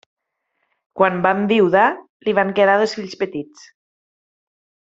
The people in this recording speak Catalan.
Quan va enviudar li van quedar dos fills petits.